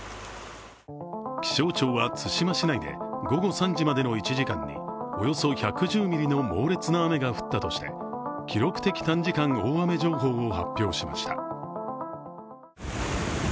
気象庁は対馬市内で午後３時までの１時間におよそ１１０ミリの猛烈な雨が降ったとして記録的短時間大雨情報を発表しました。